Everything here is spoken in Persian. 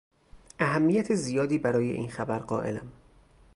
اهمیت زیادی برای این خبر قایلم.